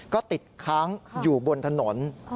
ก็ติดค้างอยู่บนถนน